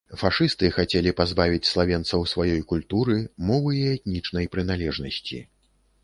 Фашысты хацелі пазбавіць славенцаў сваёй культуры, мовы і этнічнай прыналежнасці.